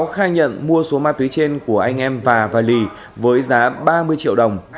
khai nhận mua số ma túy trên của anh em và lì với giá ba mươi triệu đồng